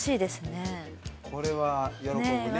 蛍原：これは喜ぶね。